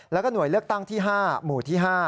แล้วก็หน่วยเลือกตั้งที่๕หมู่ที่๕